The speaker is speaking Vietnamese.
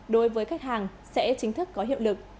đối với khách hàng sẽ chính thức có hiệu lực